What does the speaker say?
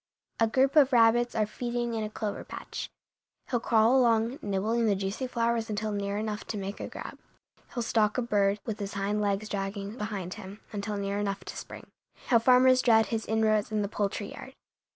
A group of rabbits are feeding in a clover patch. He'll crawl along, nibbling the juicy flowers until near enough to make a grab. He'll stalk a bird, with his hind legs dragging behind him, until near enough to spring. How farmers dread his inroads in the poultry yard!